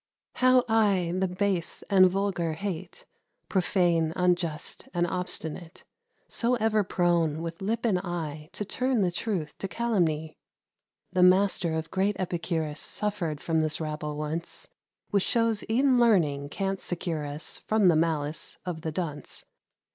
How I the base and vulgar hate: Profane, unjust, and obstinate! So ever prone, with lip and eye, To turn the truth to calumny! The master of great Epicurus Suffered from this rabble once; Which shows e'en learning can't secure us From the malice of the dunce.